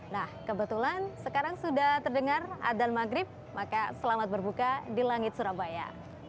nah kebetulan sekarang sudah terdengar adan maghrib maka selamat berbuka di langit surabaya